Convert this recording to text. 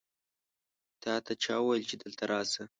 تا ته چا وویل چې دلته راسه؟